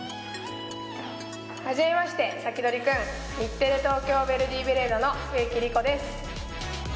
初めまして、サキドリくん日テレ東京ベレーザの植木理子です。